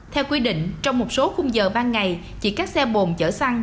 theo quy định trong một số khung giờ ban ngày chỉ các xe bồn chở xăng